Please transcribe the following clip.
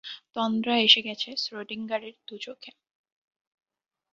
তন্দ্রা এসে গেছে শ্রোডিঙ্গারের দুচোখে।